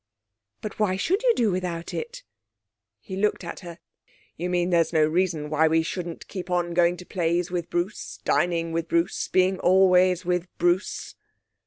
'But why should you do without it?' He looked at her. 'You mean there's no reason why we shouldn't keep on going to plays with Bruce, dining with Bruce, being always with Bruce?'